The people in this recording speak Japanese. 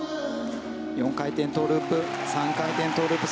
４回転トウループ３回転トウループ。